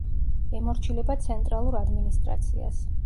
ემორჩილება ცენტრალურ ადმინისტრაციას.